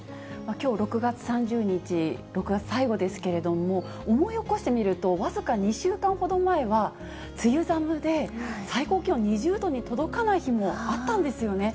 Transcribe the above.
きょう６月３０日、６月最後ですけれども、思い起こしてみると、僅か２週間ほど前は梅雨寒で、最高気温２０度に届かない日もあったんですよね。